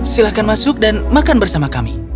silahkan masuk dan makan bersama kami